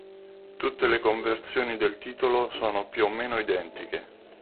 Tutte le conversioni del titolo sono più o meno identiche.